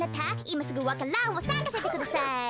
いますぐわか蘭をさかせてください。